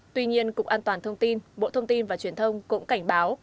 tuy nhiên cục an toàn thông tin bộ thông tin và truyền thông cũng cảnh báo